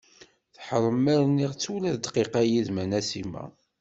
Taḥrem ma rniɣ-tt ula d dqiqa yid-m a Nasima.